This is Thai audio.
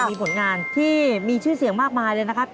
มีผลงานที่มีชื่อเสียงมากมายเลยนะครับ